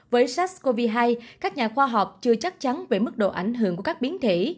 với sars cov hai các nhà khoa học chưa chắc chắn về mức độ ảnh hưởng của các biến thể